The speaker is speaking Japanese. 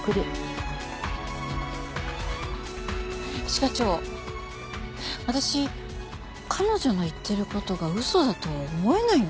一課長私彼女の言ってる事が嘘だとは思えないんですよね。